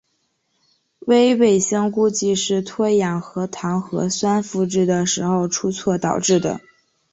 微卫星估计是脱氧核糖核酸复制的时候出错导致的。